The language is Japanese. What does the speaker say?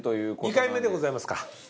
２回目でございますか。